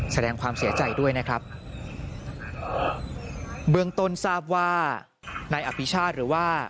แสดงความเสียใจด้วยนะครับเบื้องต้นทราบว่านายอภิชาติหรือว่า